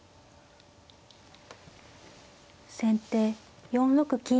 先手４六金。